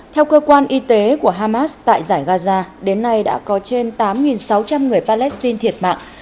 theo cơ quan y tế của hamas tại giải gaza đến nay đã có trên tám sáu trăm linh người palestine thiệt mạng